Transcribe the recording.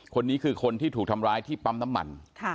คนนี้คือคนที่ถูกทำร้ายที่ปั๊มน้ำมัน